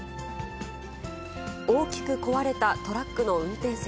大きく壊れたトラックの運転席。